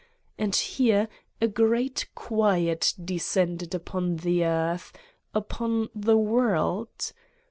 And here a great quiet descended upon the earth, upon the world.